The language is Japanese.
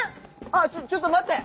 あっちょっと待って！